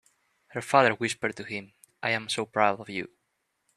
Her father whispered to him, "I am so proud of you!"